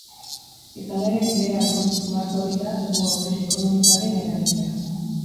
Izan ere, bere aburuz, marko hori da egungo krisi ekonomikoaren eragilea.